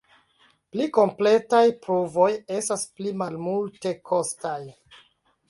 Pli kompletaj pruvoj estas pli malmultekostaj.